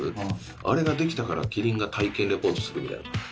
あれが出来たから麒麟が体験レポートするみたいな。